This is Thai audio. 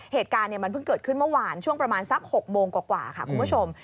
เหตุการณ์มันเพิ่งเกิดขึ้นเมื่อวานช่วงประมาณสัก๖โมงกว่าค่ะคุณผู้ชม